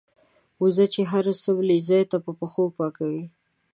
وزه چې هم څملې ځای په پښو پاکوي.